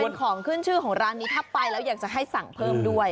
ส่วนของขึ้นชื่อของร้านนี้ถ้าไปแล้วอยากจะให้สั่งเพิ่มด้วย